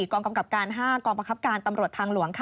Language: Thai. กองกำกับการ๕กองประคับการตำรวจทางหลวง